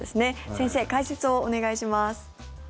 先生、解説をお願いします。